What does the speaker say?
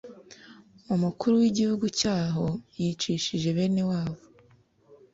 umukuru w’igihugu cyaho yicishije bene wabo